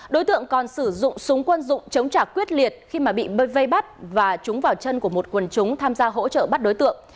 đối tượng còn sử dụng súng quân dụng chống trả quyết liệt khi mà bị bơi vây bắt và trúng vào chân của một quần chúng tham gia hỗ trợ bắt đối tượng